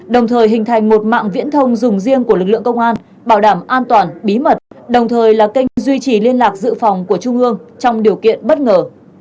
đồng thời hình thành một mạng viễn thông dùng riêng của lực lượng công an bảo đảm an toàn bí mật đồng thời là kênh duy trì liên lạc dự phòng của trung ương trong điều kiện bất ngờ